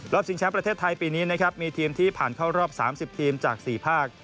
ชิงแชมป์ประเทศไทยปีนี้นะครับมีทีมที่ผ่านเข้ารอบ๓๐ทีมจาก๔ภาค